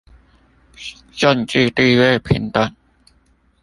政冶地位平等